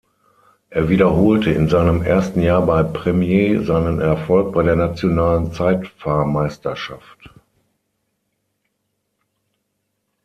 Er wiederholte in seinem ersten Jahr bei Premier seinen Erfolg bei der nationalen Zeitfahrmeisterschaft.